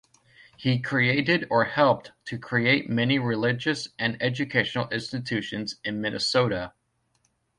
He created or helped to create many religious and educational institutions in Minnesota.